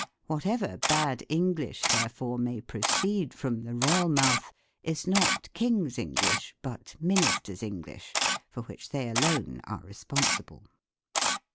Whatever bad English, therefore, may pi'oceed from the royal mouth, is not "King's English," but "Minister's English," for whicli they alone are responsible.